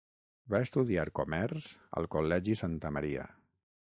Va estudiar comerç al Col·legi Santa Maria.